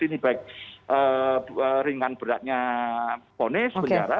ini baik ringan beratnya ponis penjara